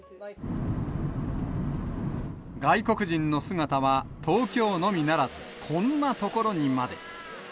外国人の姿は、東京のみならず、こんな所にまで。